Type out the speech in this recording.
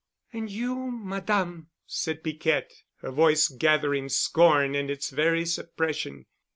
"And you, Madame," said Piquette, her voice gathering scorn in its very suppression.